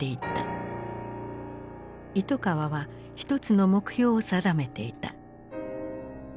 糸川は一つの目標を定めていた。